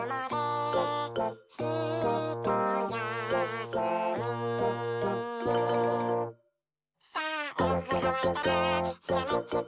「ひとやすみ」「さあえのぐがかわいたらひらめきタイム」